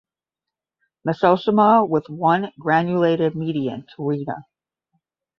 Mesosoma with one granulated median carina.